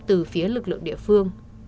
từ phía lực lượng địa phương